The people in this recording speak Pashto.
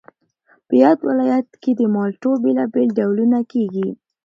په یاد ولایت کې د مالټو بېلابېل ډولونه کېږي